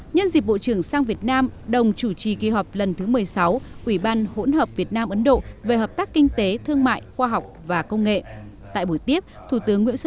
nhân dịp bộ trưởng sang việt nam đồng chủ trì kỳ họp lần thứ một mươi sáu ủy ban hỗn hợp việt nam ấn độ về hợp tác kinh tế thương mại khoa học và công nghệ